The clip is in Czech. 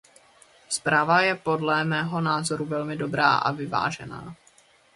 Zpráva je podle mého názoru velmi dobrá a vyvážená.